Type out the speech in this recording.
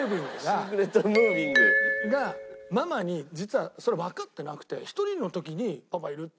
シークレットムービング？がママに実はそれわかってなくて１人の時に「パパいる？」っていうからハレクラニ